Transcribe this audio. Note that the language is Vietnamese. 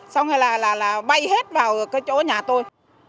xong rồi là bay hết vào chỗ nhà tôi